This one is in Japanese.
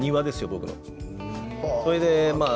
僕の。